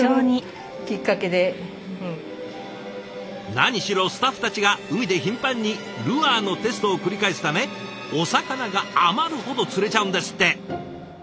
何しろスタッフたちが海で頻繁にルアーのテストを繰り返すためお魚が余るほど釣れちゃうんですって。